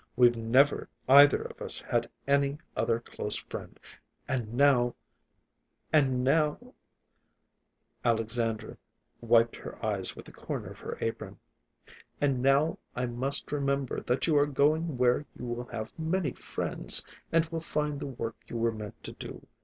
We've never either of us had any other close friend. And now—" Alexandra wiped her eyes with the corner of her apron, "and now I must remember that you are going where you will have many friends, and will find the work you were meant to do.